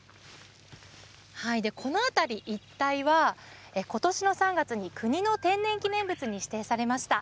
この辺り一帯はことしの３月に国の天然記念物に指定されました。